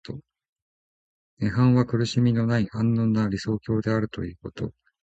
涅槃は苦しみのない安穏な理想郷であるということ。